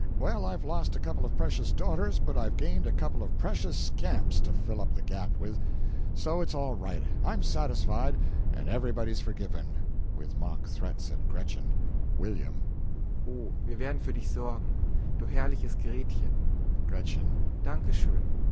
Well, I've lost a couple of precious daughters, but I've gained a couple of precious scamps to fill up the gap with; so it's all right. I'm satisfied, and everybody's forgiven (With mock threats at Gretchen.) W. Oh, wir werden fur Dich sorgen dur herrliches Gretchen! GR. Danke schon!